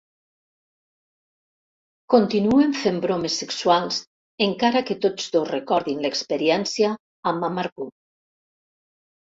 Continuen fent bromes sexuals encara que tots dos recordin l'experiència amb amargor.